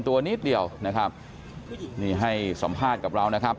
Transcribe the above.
ตัวนิดเดียวนะครับนี่ให้สัมภาษณ์กับเรานะครับ